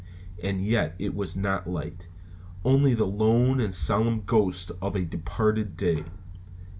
And yet it was not light; only the lone and solemn ghost of a departed day.